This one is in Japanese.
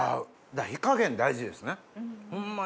火加減大事ですねホンマ